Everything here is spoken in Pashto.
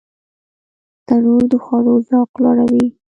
تنور د خوړو ذوق لوړوي